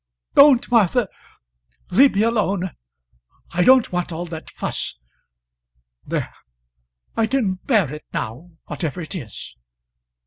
Don't, Martha; leave me alone. I don't want all that fuss. There; I can bear it now, whatever it is.